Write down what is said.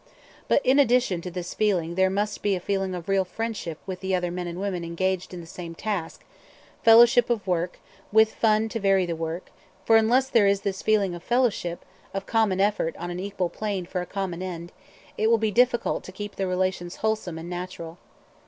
But in addition to this feeling there must be a feeling of real fellowship with the other men and women engaged in the same task, fellowship of work, with fun to vary the work; for unless there is this feeling of fellowship, of common effort on an equal plane for a common end, it will be difficult to keep the relations wholesome and natural.